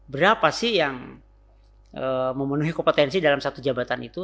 berapa sih yang memenuhi kompetensi dalam satu jabatan itu